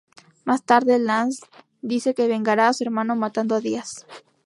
Más tarde, Lance dice que vengará a su hermano matando a Díaz.